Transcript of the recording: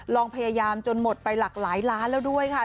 ลองพยายามจนหมดไปหลากหลายล้านแล้วด้วยค่ะ